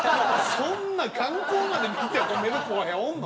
そんな眼光まで見て褒める後輩おんの？